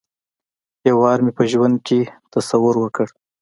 یو وار مې په ژوند کې تصور وکړ.